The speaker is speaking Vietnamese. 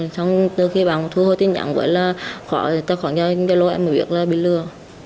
xong từ khi bà thu hồi tin nhắn với là khoản gia lô em mới biết là bị lừa